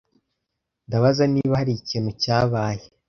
Ndabaza niba hari ikintu cyabaye.